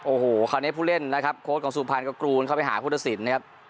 โอ้โหคราวนี้ผู้เล่นนะครับโค้ชของสุพรรณก็กรูนเข้าไปหาผู้ตัดสินนะครับ